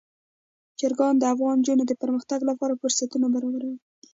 چرګان د افغان نجونو د پرمختګ لپاره فرصتونه برابروي.